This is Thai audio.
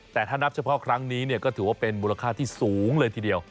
แต่ถ้านับเฉพาะครั้งนี้ก็ถือว่าเป็นมูลค่าที่สูงเลยทีเดียว